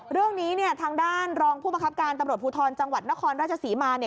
เรื่องนี้เนี่ยทางด้านรองผู้ประครับการตำรวจภูทรจังหวัดนครราชสีมาเนี่ย